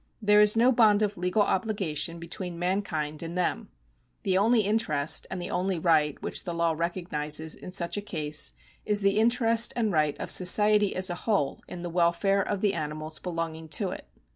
There is no bond of legal obligation between mankind and them. The only interest and the only right which the law recognises in such a case is the interest and right of society as a whole in the welfare of the animals belonging to it.